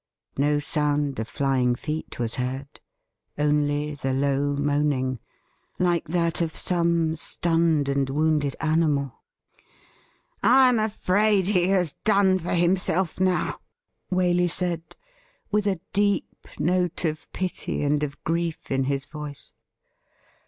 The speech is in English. No sound of flying feet was heard, only the low moaning, like that of some stunned and wounded animal. ' I'm afraid he has done for himself now,' Waley said, with a deep note of pity and of grief in his voice.